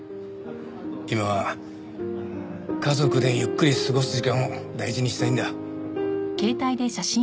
今は家族でゆっくり過ごす時間を大事にしたいんだ。